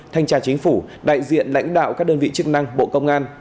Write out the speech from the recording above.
thanh tra chính phủ đại diện lãnh đạo các đơn vị chức năng bộ công an